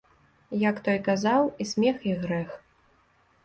Як той казаў, і смех і грэх.